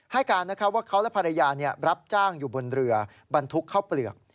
ให้การว่าเขาและภรรยารับจ้างอยู่บนเรือบรรทุกข้าวเปลือก